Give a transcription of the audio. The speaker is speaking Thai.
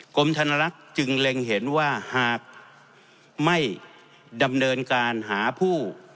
กรมธนลักษณ์จึงเล็งเห็นว่าหากไม่ดำเนินการหาผู้